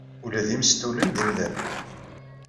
Ula d imestulen d imdanen.